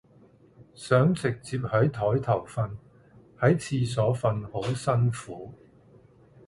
想直接喺枱頭瞓，喺廁所瞓好辛苦